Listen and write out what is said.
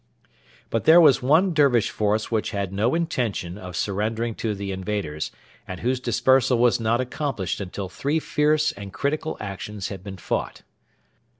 But there was one Dervish force which had no intention of surrendering to the invaders, and whose dispersal was not accomplished until three fierce and critical actions had been fought.